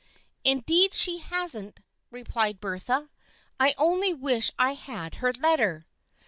" Indeed she hasn't," replied Bertha. " I only wish I had her letter."